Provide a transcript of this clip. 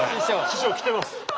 師匠来てます。